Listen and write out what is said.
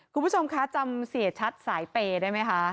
คุณผู้ชมคะจำเสียชัดสายเปย์ได้ไหมคะ